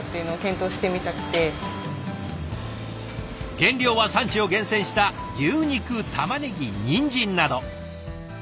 原料は産地を厳選した牛肉たまねぎにんじんなど。